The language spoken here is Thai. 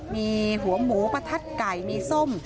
มีหัวหมูประทัดไก่มีส้ม